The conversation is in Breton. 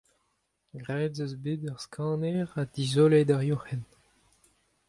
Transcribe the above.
graet ez eus bet ur skanner ha dizoloet ur yoc'henn.